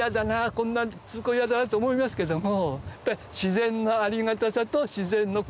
こんなに続くの嫌だなと思いますけども。